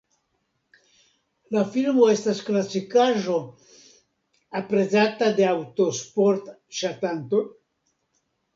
La filmo estas klasikaĵo, aprezata de aŭtosport-ŝatantoj.